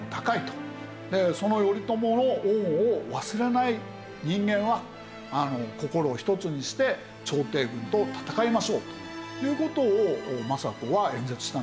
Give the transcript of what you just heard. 「その頼朝の恩を忘れない人間は心を一つにして朝廷軍と戦いましょう！」という事を政子は演説したんだよね。